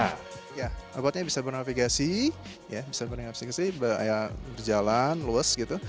robotnya bisa bernavigasi bisa berjalan luas gitu